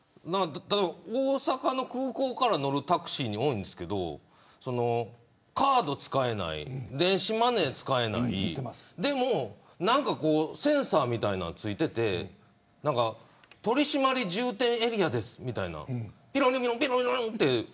大阪の空港から乗るタクシーに多いんですけどカードが使えない電子マネー使えないでもセンサーみたいなものが付いていて取り締まり重点エリアですみたいな。